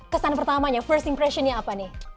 kesan pertamanya first impression nya apa nih